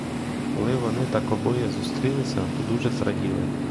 Коли вони так обоє зустрілися, то дуже зраділи.